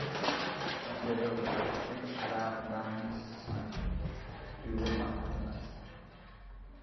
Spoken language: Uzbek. Sen bezovtasan, sen alag‘dasan...